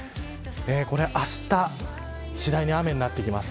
あしたは次第に雨になってきます。